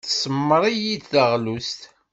Tesmar-iyi-d taɣlust.